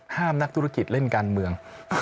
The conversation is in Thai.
นักธุรกิจเล่นการเมือง